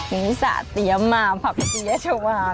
นิสาเตรียมมาผักเปี้ยชวา